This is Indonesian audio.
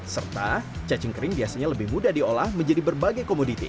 serta cacing kering biasanya lebih mudah diolah menjadi berbagai komoditi